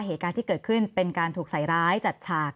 เหตุการณ์ที่เกิดขึ้นเป็นการถูกใส่ร้ายจัดฉาก